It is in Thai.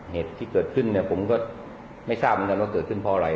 เหตุที่เกิดขึ้นเนี่ยผมก็ไม่ทราบเหมือนกันว่าเกิดขึ้นเพราะอะไร